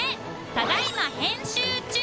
ただいま編集中